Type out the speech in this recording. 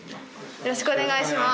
よろしくお願いします。